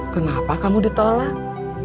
kenapa kamu ditolak